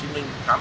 riêng địa bàn